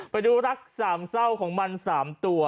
ไปดูรักสามเศร้าของมัน๓ตัว